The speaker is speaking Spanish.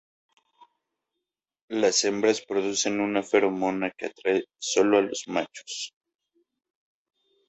Las hembras producen una feromona que atrae sólo los machos.